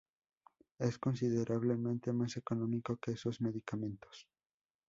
Es considerablemente más económico que esos medicamentos.